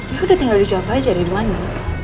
ya udah tinggal di jawa aja ada dimana